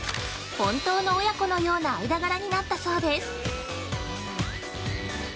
本当の母娘のような間柄になったそうです。